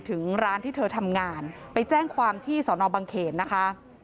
ถึงร้านที่เธอทำงานไปแจ้งความที่สอนอบังเขนนะคะ